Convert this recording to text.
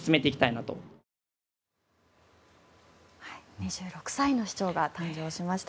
２６歳の市長が誕生しました。